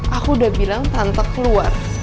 aku udah bilang tanpa keluar